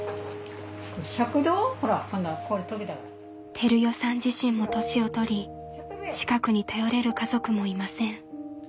照代さん自身も年を取り近くに頼れる家族もいません。